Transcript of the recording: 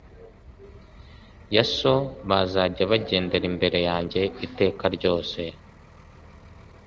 ya so bazajya bagendera imbere yanjye iteka ryose